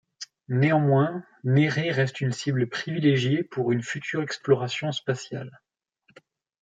Néanmoins, Nérée reste une cible privilégiée pour une future exploration spatiale.